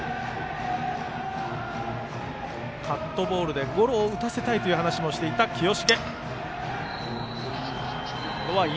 カットボールでゴロを打たせたいという話もしていた清重。